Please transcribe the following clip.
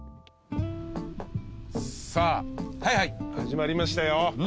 さあ始まりましたよ